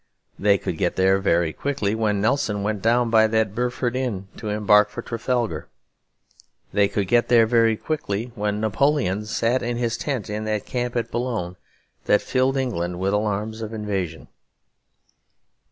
They could get there very quickly when Nelson went down by that Burford Inn to embark for Trafalgar; they could get there very quickly when Napoleon sat in his tent in that camp at Boulogne that filled England with alarums of invasion.